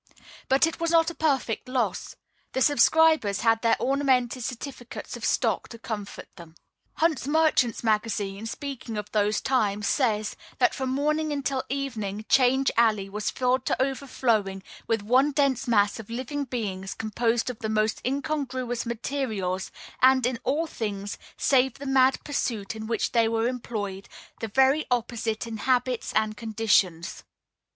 But it was not a perfect loss. The subscribers had their ornamented certificates of stock to comfort them. Hunt's Merchant's Magazine, speaking of those times, says "that from morning until evening 'Change Alley was filled to overflowing with one dense mass of living beings composed of the most incongruous materials, and, in all things save the mad pursuit in which they were employed, the very opposite in habits and conditions."